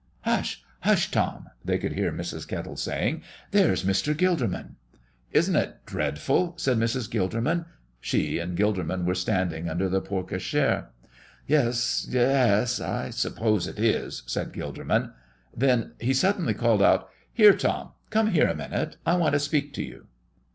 "Hush, hush, Tom!" they could hear Mrs. Kettle saying. "There's Mr. Gilderman." "Isn't it dreadful!" said Mrs. Gilderman. She and Gilderman were standing under the porte cochère. "Yes yes; I suppose it is," said Gilderman. Then he suddenly called out: "Here, Tom; come here a minute. I want to speak to you."